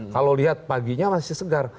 kalau lihat paginya masih segar